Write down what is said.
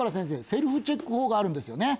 セルフチェック法があるんですよね？